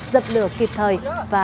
dập lửa kịp thời